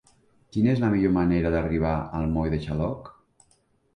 Quina és la millor manera d'arribar al moll de Xaloc?